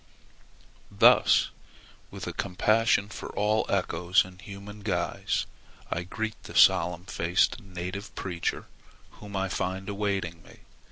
Thus with a compassion for all echoes in human guise, I greet the solemn faced "native preacher" whom I find awaiting me.